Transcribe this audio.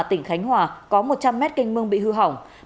tỉnh khánh hòa có một trăm linh mét canh mương bị hư hỏng